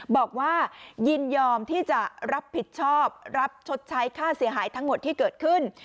ยินยอมที่จะรับผิดชอบรับชดใช้ค่าเสียหายทั้งหมดที่เกิดขึ้น